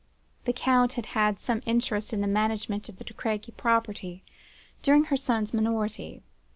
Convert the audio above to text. The Count had had some interest in the management of the De Crequy property during her son's minority.